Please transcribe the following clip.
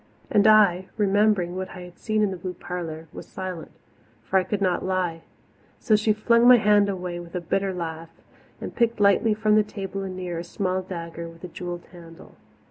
And I, remembering what I had seen in the blue parlour, was silent for I could not lie. So she flung my hand away with a bitter laugh, and picked lightly from the table anear a small dagger with a jewelled handle.